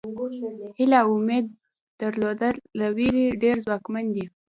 هیله او امید درلودل له وېرې ډېر ځواکمن دي.